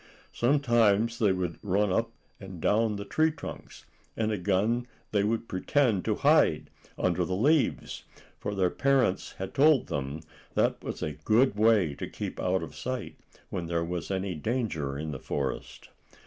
Sometimes they would run up and down the tree trunks, and again they would pretend to hide under the leaves, for their parents had told them that was a good way to keep out of sight when there was any danger in the forest.